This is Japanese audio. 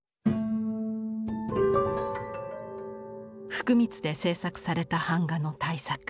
福光で制作された板画の大作。